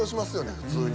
普通に。